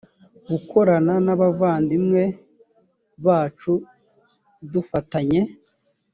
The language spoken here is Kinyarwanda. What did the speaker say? gukorana n abavandimwe bacu dufatanye